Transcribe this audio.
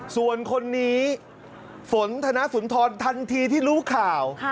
ส่วนคนนี้ฝนธนสุนทรทันทีที่รู้ข่าว